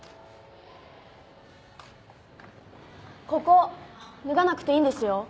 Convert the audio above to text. ここ脱がなくていいんですよ。